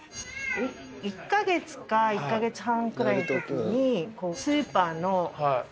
１か月か１か月半くらいの時に。